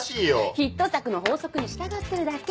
ヒット作の法則に従ってるだけ。